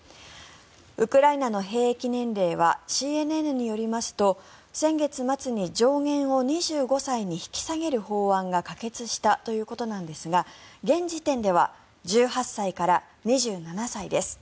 ウクライナの兵役年齢はＣＮＮによりますと先月末に上限を２５歳に引き下げる法案が可決したということなんですが現時点では１８歳から２７歳です。